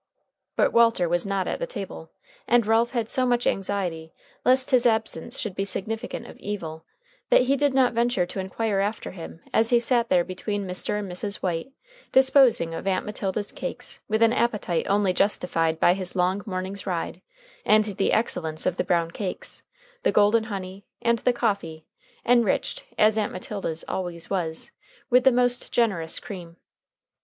But Walter was not at the table, and Ralph had so much anxiety lest his absence should be significant of evil, that he did not venture to inquire after him as he sat there between Mr. and Mrs. White disposing of Aunt Matilda's cakes with an appetite only justified by his long morning's ride and the excellence of the brown cakes, the golden honey, and the coffee, enriched, as Aunt Matilda's always was, with the most generous cream.